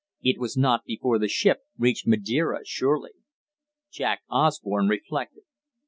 It was not before the ship reached Madeira, surely." Jack Osborne reflected.